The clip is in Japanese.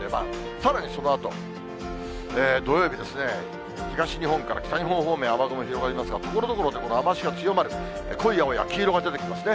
さらにそのあと、土曜日ですね、東日本から北日本方面、雨雲広がりますが、ところどころでこの雨足が強まる、濃い青や黄色が出てますね。